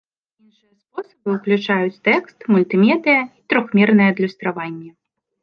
Іншыя спосабы ўключаюць тэкст, мультымедыя і трохмернае адлюстраванне.